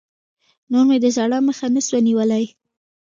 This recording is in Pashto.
نور مې د ژړا مخه نه سوه نيولى.